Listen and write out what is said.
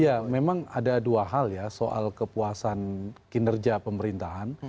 ya memang ada dua hal ya soal kepuasan kinerja pemerintahan